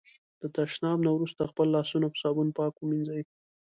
د تشناب نه وروسته خپل لاسونه په صابون پاک ومېنځی.